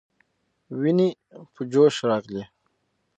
ويني په جوش راغلې.